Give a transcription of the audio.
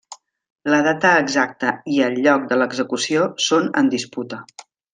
La data exacta i el lloc de l'execució són en disputa.